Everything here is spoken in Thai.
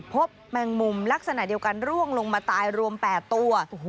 แมงมุมลักษณะเดียวกันร่วงลงมาตายรวม๘ตัว